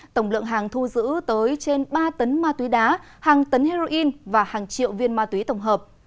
tổng lượng hàng thu giữ tới trên ba tấn ma túy đá hàng tấn heroin và hàng triệu viên ma túy tổng hợp